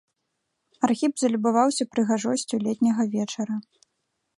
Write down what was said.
Архіп залюбаваўся прыгажосцю летняга вечара.